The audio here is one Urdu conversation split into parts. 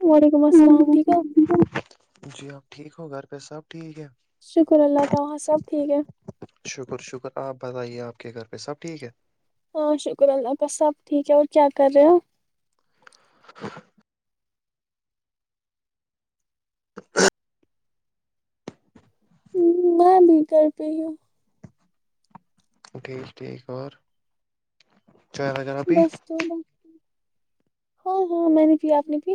وعلیکم السلام ٹھیک ہو جی آپ [unintelligible] ٹھیک ہو گھر پہ سب ٹھیک ہے شکر اللہ کا وہاں سب ٹھیک ہے شکر شکر آپ بتائیے آپ کے گھر پہ سب ٹھیک ہے ہاں شکر اللہ کا سب ٹھیک ہے اور کیا کر رہے السلام علیکم محترم بھائی جان آپ کو بھی مبارک ہو جناب آپ کو بھی مبارک السلام علیکم محترم [unintelligible] میں بھی کر پئی ہوں ٹھیک ٹھیک اور چ ویرہ بھی بس تو ہاں ہاں میں نے پ آپ نے پ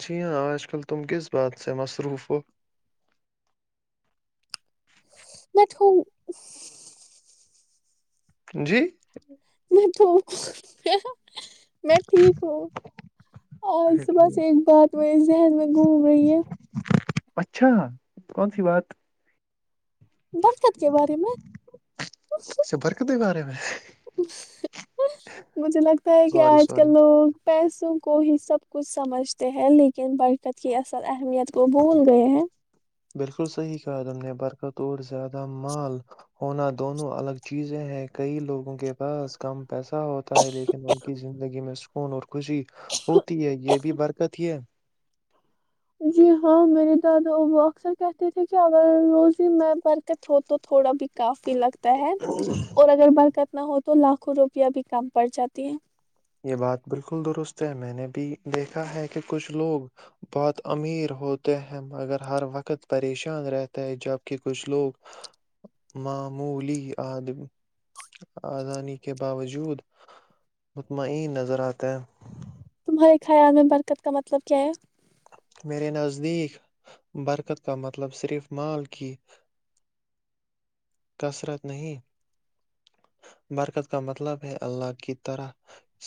جی ہاں آج کل تم کس بات سے مصروف ہو میںٹوں جی تو [unintelligible] میں ٹھیک ہوں آج اچھا صبحس ٹھیک ایک بات میرے ذہن میں گھوم رہی ہے اچھا کون سی بات دغلکت کے بارے میں س ہ [unintelligible] مجھے لگتا ہے کہ سوری آج سوری کل لوگ پیسوں کو ہی سب کچھ سمجھتے ہیں لیکن برکت کی اصل اہمیت کو بھول گئے ہیں بالکل صحیح کہا تم نے برکت اور زیادہ مال ہونا دونوں الگ چیزیں ہیں کئی لوگوں کے بس کم پیسہ ہوتا ہے لیکن ان کی زندگی میں م ن خوشی ہوتی ہے یہ بھی برکت ہے جی ہاں میری دادا ابا اکثر کہتے تھے کہ اگر روز ہی میں برکت ہو تو تھوڑا بھی کاف لگتا ہے اور اگر بات کر نا ہو تو لاکھوں روپیہ بھی کم پڑ جاتی ہے یہ بات بالکل درست ہے میں نے بھی دیکھا ہے کہ کچھ لوگ بہت امیر ہوتے ہیں مگر ہر وقت پریشان رہتا ہے جبک کچھ لوگ معمولی آد آدانی کے باوجود مطمئن نظر آتے ہیں تمہارے خیال میں برکت کا مطلب کیا ہے میرے نزدیک برکت کا مطلب صرف مال کی کثرت نہیں برکت کا مطلب ہے اللہ کی طرح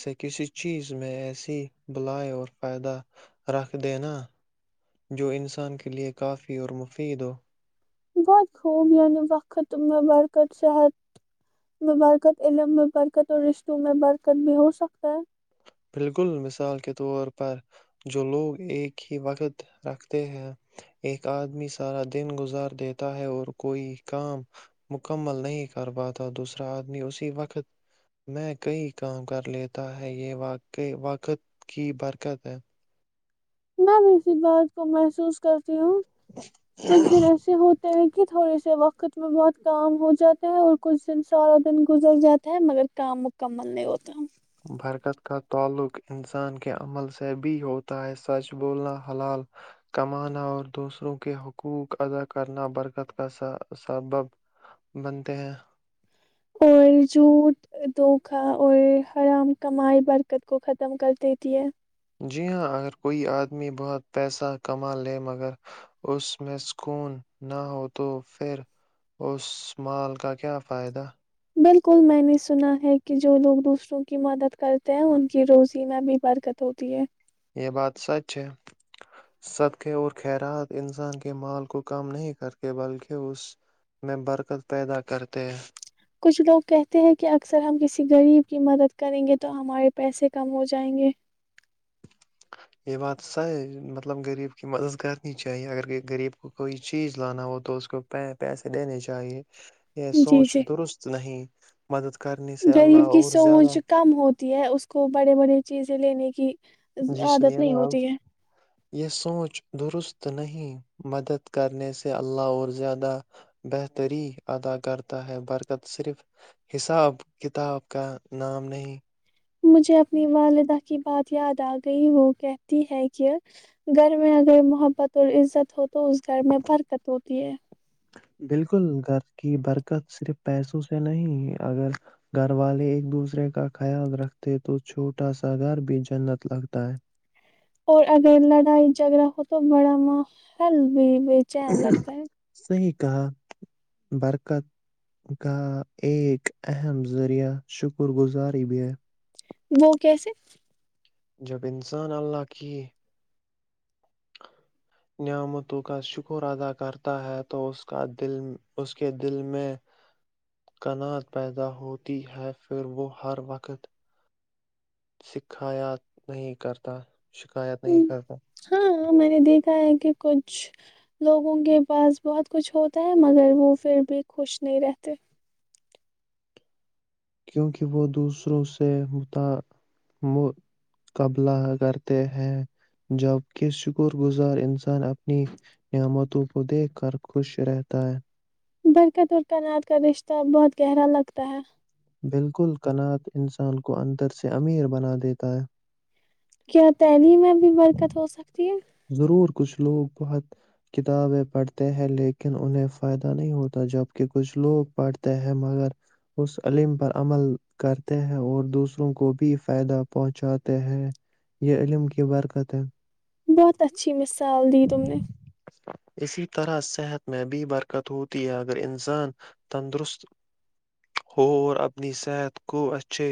سے کسی چیز میں ایسی بلائی اور فائدہ رکھ دینا جو انسان کے لیے کافی اور مفید ہو بہت خوب یعنی وقت میں برکت صحت میں برکت علم میں برکت اور رشتوں میں برکت بھی ہو سکتا ہے بالکل مثال کے طور پر جو لوگ ایک ہی وقت رکھتے ہیں ایک آدمی سارا دن گزار دیتا ہے اور کوئی کام مکمل نہیں کر پاتا دوسرا آدمی اسی وقت میں کئی کام کر لیتا ہے یہ واق کہ وقت کی برکت ہے میں بھی اسی بات کو محسوس کرتی ہوں کچھ دن ایسے ہو کہ تھوڑے سے وقت میں بہت کام ہو جاتے ہیں اور کچھ دن سارا دن گزر جاتا ہے مگر کام مکمل نہیں ہوتا برکت کا تعلق انسان کے عمل سے بھی ہوتا ہے سچ بولنا حلال کمانا اور دوسروں کے حقوق ادا کرنا برکت کا سبب بنتے ہیں اور جھوٹ دھوکا اور حرام کمائی برکت کو ختم کر دیتی ہے آمی بہت پیسہ کما لے مگر اس میں سکون نہ ہو تو پھر اس مال کا کیا فائدہ بالکل میں نے سنا ہے کہ جو لوگ دوسروں کی مدد کرتے ہیں ان کی روزینہ بھی برکت ہوتی ہے یہ بات سچ ہے صدقے اور خیرات انسان کے مال کو کم نہیں کرتے بلکہ اس میں برکت پیدا کرتے ہیں کچھ لوگ کہتے ہیں کہ اکثر ہم کسی غریب کی مدد کریں گے تو ہمارے پیسے کم ہو جائیں گے یہ بات صحیح ہے مطلب غریب کی مدد کرنی چاہیے اگر غریب کو کوئی چیز لانا ہو تو اس کو پیسے دینے چاہیے یہ جی سوچ جی درست نہیں مدد کرنے سے الللہ غریب کی اور زیادہ سوچ کم ہوتی ہے اس کو بڑے بڑے چیزیں لینے کی جی عادت سنیے نہیں نا آپ ہوتی ہے یہ سونچ درست نہیں مدد کرنے سے اللہ اور زیادہ بہتری ادا کرتا ہے برکت صرف حساب کتاب کا نام نہیں مجھے اپنی والدہ کی بات یاد آ گئی وہ کہتی ہے کہ گھر میں اگر محبت اور عزت ہو تو اس گھر میں برکت ہوتی ہے بالکل گھر کی برکت صرف پیسوں سے نہیں اگر گھر والے ایک دوسرے کا خیال رکھتے تو چھوٹا سا گھر بھی جنت لگتا ہے اور اگر لڑائی جھگڑا ہو تو بڑا ماحول بھی ہے بیچین لگتا ہے صحیح کہا برکت کا ایک اہم ذریعہ شکر گزار بھی ہیں وہ کیسے جب انسان اللہ کی نعمتوں کا شکر ادا کرتا ہے تو اس کا دل اس کے دل میں کنات پیدا ہوتی ہے پھر وہ ہر وقت سکھایا نہیں کرتا شکایت نہیں کرتا ہاں میں نے دیکھا کہ کچھ لوگوں کے پاس بہت کچھ ہوتا ہے مگر وہ پھر بھی خوش نہیں رہتے کیونکہ وہ دوسروں سے مقابلہ کرتے ہیں جبکہ شکر گزار انسان اپنی نعمتوں کو دیکھ کر خوش رہتا ہے برکت اور کنات کا رشتہ بہت گہرا لگتا ہے بالکل کنات انسان کو اندر سے امیر بنا دیتا ہے کیا تعلیم میں بھی برکت ہو سکتی ہے ضرور کچھ لوگ بہت کتابیں پڑھتے ہیں لیکن انہیں فائدہ نہیں ہوتا جبکہ کچھ لوگ پڑھتے ہیں مگر اس علم پر عمل کرتے ہیں اور دوسروں کو بھی فائدہ پہنچاتے ہیں یہ علم کی برکت ہے بہت اچھی مسال سال دی تم نے اسی طرح صحت میں بھی برکت ہوتی ہے اگر انسان تندرست ہو اور اپنی صحت کو اچھے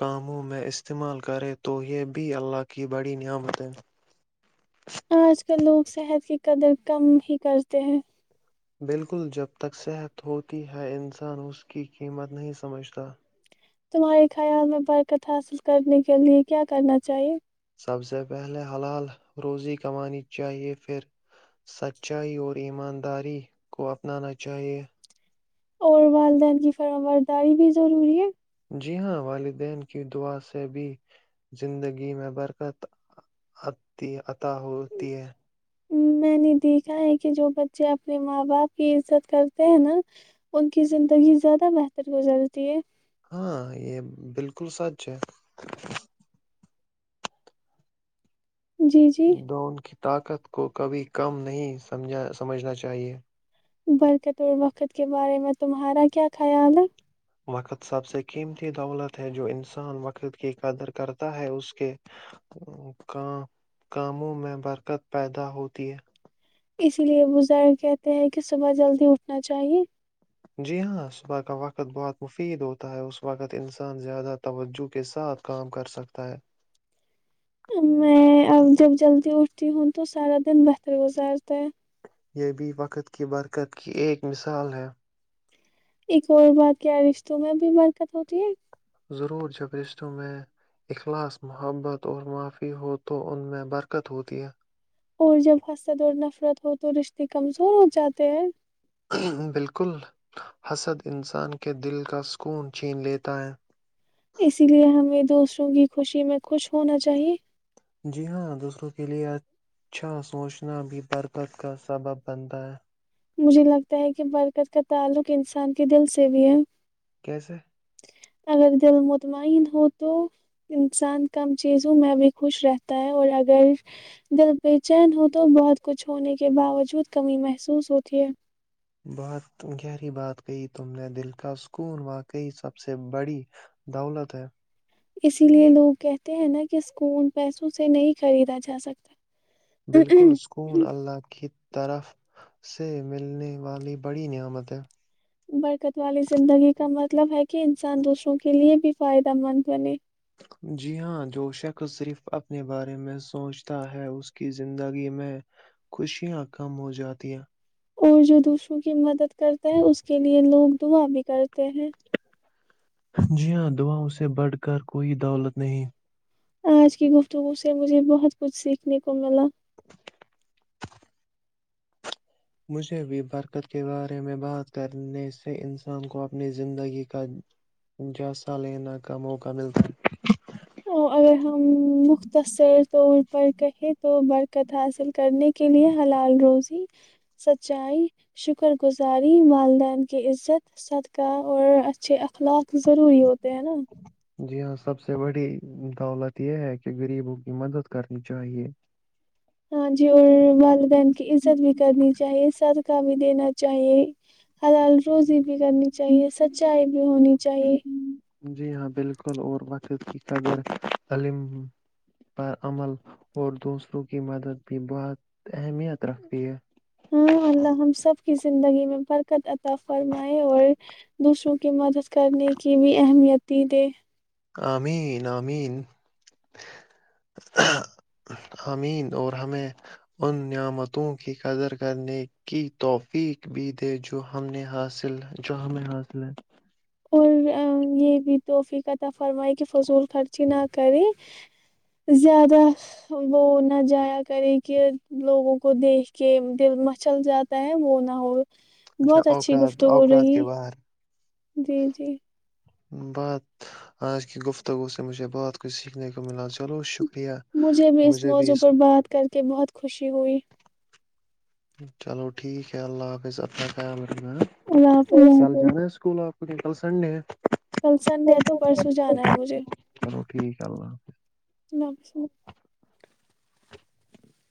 کاموں میں استعمال کرے تو یہ بھی اللہ کی بڑی نعمتیں ہیں آج لوگ صحت کی قدر کم ہی کرتے ہیں بالکل جب تک صحت ہوتی ہے انسان اس کی قیمت نہیں سمجھتا تمہارے خیال میں برکت حاصل کرنے کے لیے کیا کرنا چاہیے سب سے پہلے حلال روزی کمانی چاہیے پھر سچائی اور ایمانداری کو اپنانا چاہیے اور والدین کی فرمرداری بھی ضروری ہے جی ہاں والدین کی دعا سے بھی زندگی میں برکت ہوتی ہے [unintelligible] میں نے دیکھا ہے کہ جو بچے اپنے ماں باپ کی عزت کرتے ہیں نا ان کی زندگی زیادہ بہتر گزرتی ہے ہاں یہ بالکل سچ ہے جی جی ڈون [unintelligible] طاقت کو کبھی کم نہیں سمجھنا چاہیئے برکت و وقت کے بارے میں تمہارا کیا خیال ہے وقت سب سے قیمتی دولت ہے جو انسان وقت کی قدر کرتا ہے اس کے کا کاموں میں برکت پیدا ہوتی ہے اسی لیے بزر کہتے ہیں کہ صبح جلدی اٹھنا چاہیے جی ہاں کا وقت بہت مفید ہوتا ہے اس وقت انسان زیادہ توجہ کے ساتھ کام کر سکتا ہے میں اب جب جلدی اٹ ہوں تو سارا دن بہتر گزارتا ہے یہ بھی وقت کی برکت کی ایک مثال ہے ایک اور بات کیا رشتوں میں بھی برکت ہوتی ہے ضرور جب رشتوں میں اخلاص محبت اور معافی ہو تو ان میں برکت ہوتی ہے اور جب حسد اور نفرت ہو تو رشتے کمزور ہو جاتے ہیں بالکل حسد انسان کے دل کا سکون چھین لیتا ہے وں کی خوشی میں خوش ہونا چاہیے جی ہاں دوسروں کے لیئے اچھا سوچنا بھی برکت کا سبب بنتا ہے مجھے لگتا ہے کہ برکت کا تعلق انسان کے دل سے بھی ہے کیسے؟ [unintelligible] اگر دل مطمئن ہو تو انسان کم چیزوں میں بھی خوش رہتا ہے اور اگر دل بے چین ہو تو بہت کچھ ہونے کے باوجود کمی محسوس ہو جٹھیک بات گہری بات کہی تم نے دل کا سکون واقعی سب سے بڑی دولت ہے اسی لیے لوگ کہتے ہیں نا کہ اسکون پیسوں سے نہیں خریدا جا سکتا بالکل سکون اللہ کی طرف سے ملنے والی بڑی نعمتیں برکت والی زندگی کا مطلب ہے کہ انسان دوسروں کے لیے بھی فائدہ مند بنے جی ہاں جو شیخ صرف اپنے بارے میں سوچتا ہے اس کی زندگی میں خوشیاں کم ہو جاتی اور جو دوسروں کی مدد کرتے ہیں اس کے لیے لوگ تم ابھی کرتے ہیں جی ہاں دعا اسے بڑھ کر کوئی دولت نہیں آج کی گفتگو سے مجھے بہت کچھ سیکھنے کو ملا مجھے بھی برکت کے بارے میں بات کرنے سے انسان کو اپنی زندگی کا جیسہ لینا کا موقع ملتا ہے اگر ہم مختصر طور پر کہیں تو برکت حاصل کرنے کے لیے حلال روزی سچائی شکر گزاری والدین کی عزت صدقہ اور اچھے اخلاق ضروری ہوتے ہیں نا جی ہاں سب سے بڑی دولت یہ ہے کہ غریبوں کی مدد کرنی چاہیے ہاں جی اور والدین کی عزت بھی کرنی چاہیے سد کاہ بھی دینا چاہیے ہر حال روزی بھی کرنی چاہیے سچائی بھی ہونی چاہیے جی ہاں بالکل اور وقد کی قبر علم پر عمل اور دوسروں کی مدد بھی بہت اہمیت رکھتی ہے ہاں اللہ ہم سب کی زندگی میں برکت عطا فرمائے اور دوسروں کی مدد کرنے کی بھی اہمیتی دے امین امین امین اور ہمیں ان نعمتوں کی قدر کرنے کی توفیق بھی دے جو ہم نے حاصل جو ہمیں حاصل ہے اور یہ بھی توحفیقت فرمائی کہ فضول خرچی نہ کرے زیادہ وہ نہ جایا کرے کہ لوگوں کو دیکھ کے دل مچل جاتا ہے وہ نہ ہو اچھا بہت اچھی اوقات گفتگو اوقات کے رہی باہر [unintelligible] جی جی [unintelligible] بات آج کی گفتگو سے مجھے بہات کچھ سیکھنے کو ملا چلو شکرہ [unintelligible] مجھے بھی اس موضوع پر بات کر کے بہت خوشی ہوئی [unintelligible] چلو ٹھیک ہے اللہ حافظ اپنا خیال اللہ [unintelligible] حافظ چال ج [inaudible] اسکول آپ کل سنڈے [unintelligible] کل سنڈے تو پرسوں جانا ہے مجھے [unintelligible] چلو ٹھیک ہے اللہ حافظ [unintelligible] نم [inaudible]